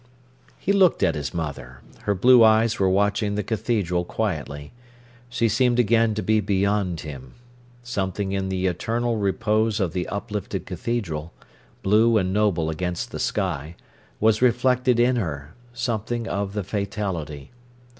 He looked at his mother. Her blue eyes were watching the cathedral quietly. She seemed again to be beyond him. Something in the eternal repose of the uplifted cathedral, blue and noble against the sky, was reflected in her, something of the fatality.